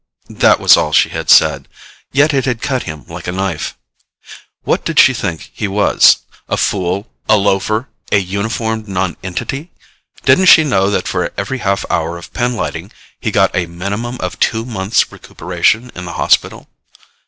That was all she had said. Yet it had cut him like a knife. What did she think he was a fool, a loafer, a uniformed nonentity? Didn't she know that for every half hour of pinlighting, he got a minimum of two months' recuperation in the hospital?